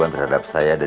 kita dalam bahaya gak